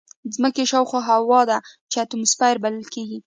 د ځمکې شاوخوا هوا ده چې اتماسفیر بلل کېږي.